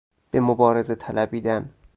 به مبارزه طلبیدن